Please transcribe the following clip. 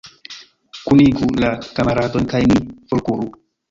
Kunigu la kamaradojn, kaj ni forkuru.